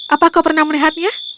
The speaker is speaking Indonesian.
apa kau pernah melihatnya